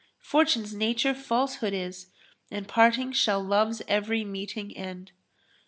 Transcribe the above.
Fortune's nature falsehood is, * And parting shall love's every meeting end."